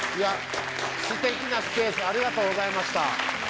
素敵なスペースありがとうございました。